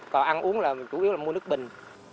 còn ăn uống là mình chủ yếu là mua nước bình